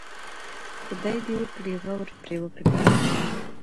خدای دې وکړي غور پرې وکړي.